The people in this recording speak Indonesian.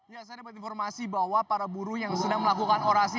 ya saya dapat informasi bahwa para buruh yang sedang melakukan orasi